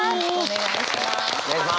お願いします。